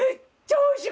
おいしい。